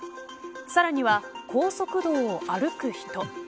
さらには、高速道を歩く人。